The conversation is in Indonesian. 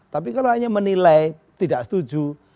tapi kalau hanya menilai tidak setuju